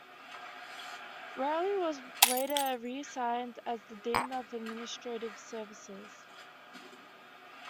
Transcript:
Reiley was later reassigned as the dean of administrative services.